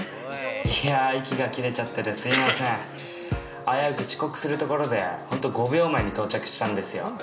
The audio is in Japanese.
いやぁ、息がきれちゃっててすみません、あやうく遅刻するとこでほんと５秒前に到着したんですよ。